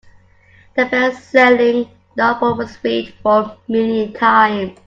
The bestselling novel was read four million times.